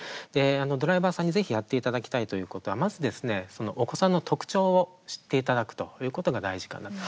ドライバーさんにぜひやっていただきたいことは、まずお子さんの特徴を知っていただくということが大事かなと。